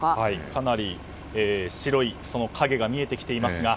かなり白い影が見えてきていますが。